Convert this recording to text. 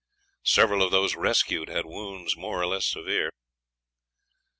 Several of those rescued had wounds more or less severe.